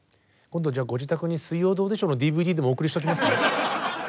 今度じゃあご自宅に「水曜どうでしょう」のＤＶＤでもお送りしておきますね。